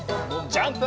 ジャンプ！